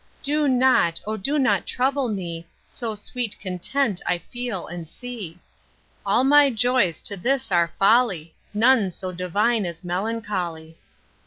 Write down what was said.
Do not, O do not trouble me, So sweet content I feel and see. All my joys to this are folly, None so divine as melancholy.